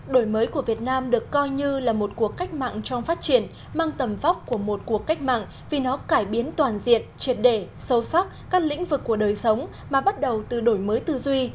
đổi mới của việt nam được coi như là một cuộc cách mạng trong phát triển mang tầm vóc của một cuộc cách mạng vì nó cải biến toàn diện triệt đề sâu sắc các lĩnh vực của đời sống mà bắt đầu từ đổi mới tư duy